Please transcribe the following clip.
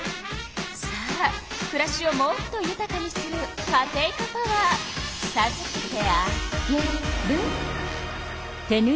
さあくらしをもっとゆたかにするカテイカパワーさずけてあげる。